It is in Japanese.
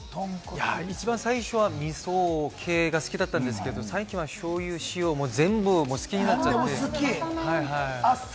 最初は、みそ系が好きだったんですけれども、最近はしょうゆ、塩系が全部、好きになっちゃって。